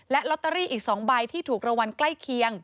และลอตเตอรี่อีก๒ใบที่ถูกรางวัลใกล้เคียง